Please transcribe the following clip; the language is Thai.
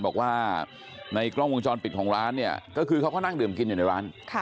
บอกว่าในกล้องวงจรปิดของร้านเนี่ยก็คือเขาก็นั่งดื่มกินอยู่ในร้าน